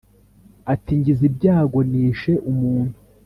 ati «ngize ibyago nishe umuntu;